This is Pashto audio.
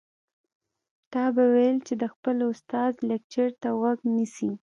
تا به ويل چې د خپل استاد لکچر ته غوږ نیسي.